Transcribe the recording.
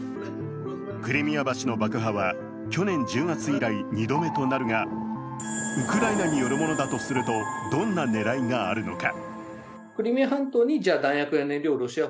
クリミア橋の爆破は去年１０月以来２度目となるがウクライナによるものだとすると、どんな狙いがあるのか。